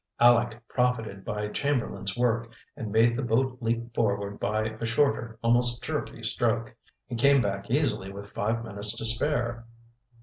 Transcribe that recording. Aleck profited by Chamberlain's work, and made the boat leap forward by a shorter, almost jerky stroke. He came back easily with five minutes to spare.